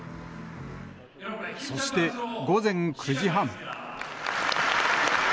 そして、午前９時半。